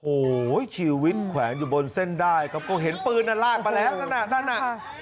โหชีวิตแขวงอยู่บนเส้นได้ก็เห็นปืนน่ะลากไปแล้วนั่นน่ะ